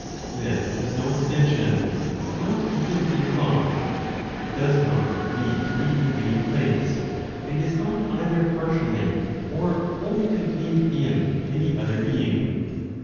This has no extension, not even in thought. It does not need to be in any place, and is not either partially or wholly contained in any other being.